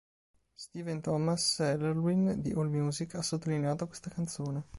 Stephen Thomas Erlewine di "AllMusic" ha sottolineato questa canzone.